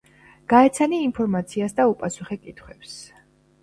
გაეცანი ინფორმაციას და უპასუხე კითხვებს